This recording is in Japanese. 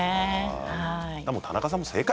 田中さんも正解。